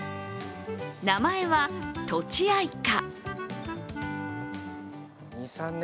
名前は、とちあいか。